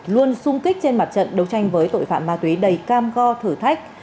luôn sung kích trên mặt trận đấu tranh với tội phạm ma túy đầy cam go thử thách